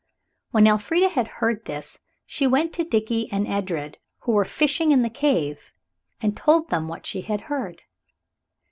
When Elfrida had heard this she went to Dickie and Edred, who were fishing in the cave, and told them what she had heard.